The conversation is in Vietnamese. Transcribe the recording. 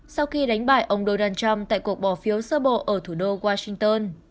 sau khi đánh bại ông donald trump tại cuộc bỏ phiếu sơ bộ ở thủ đô washington